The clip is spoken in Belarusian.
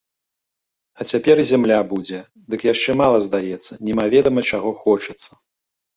А цяпер і зямля будзе, дык яшчэ мала здаецца, немаведама чаго хочацца.